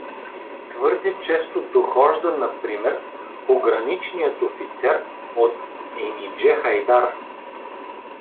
Твърде често дохожда, например, пограничният офицер от Енидже-Хайдар.